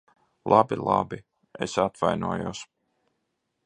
Labi, labi. Es atvainojos.